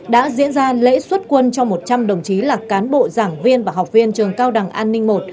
đã diễn ra lễ xuất quân cho một trăm linh đồng chí là cán bộ giảng viên và học viên trường cao đẳng an ninh i